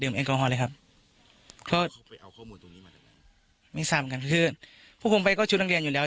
ไม่ซ้ำกันคือพวกมันไปก็ชุดรังเรียนอยู่แล้ว